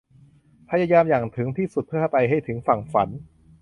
พยายามอย่างถึงที่สุดเพื่อไปให้ถึงฝั่งฝัน